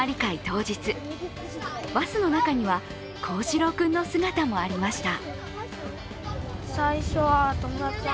当日、バスの中には光志朗君の姿もありました。